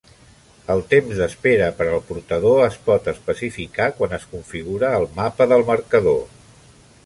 El temps d'espera per al portador es pot especificar quan es configura el mapa del marcador.